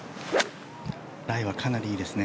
ライはかなりいいですね。